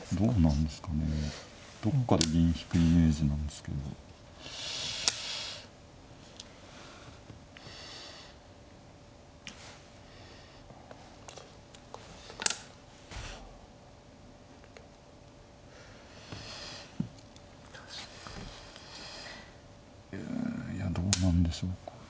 うんいやどうなんでしょうか。